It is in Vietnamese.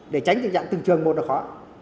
để tránh từng trường một nó khó